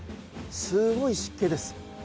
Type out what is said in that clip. すごい湿気です。